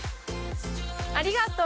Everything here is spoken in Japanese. ありがとう。